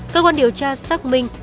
cơ quan điều tra xác minh